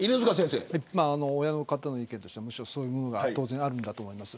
親の方の意見としてはそういうものが当然、あると思います。